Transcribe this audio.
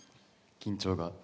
緊張が。